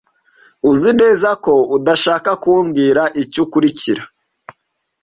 Uzi neza ko udashaka kumbwira icyo ukurikira?